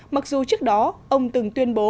mặc dù trước đó ông từng tuyên bố